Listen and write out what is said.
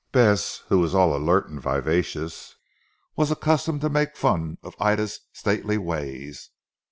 Bess, who was all alert and vivacious, was accustomed to make fun of Ida's stately ways.